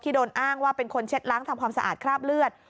โดนอ้างว่าเป็นคนเช็ดล้างทำความสะอาดคราบเลือด